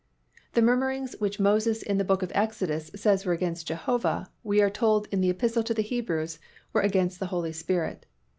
The murmurings which Moses in the Book of Exodus says were against Jehovah, we are told in the Epistle to the Hebrews were against the Holy Spirit.